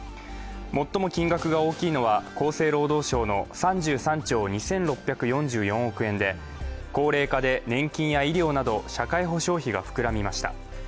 最も金額が大きいのは、厚生労働省の３３兆２６４４億円で、高齢化で年金や医療など社会保障費が膨らみました。